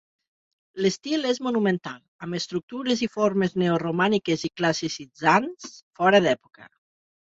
L'estil és monumental, amb estructures i formes neoromàniques i classicitzants, fora d'època.